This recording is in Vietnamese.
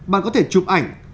bạn có thể chụp ảnh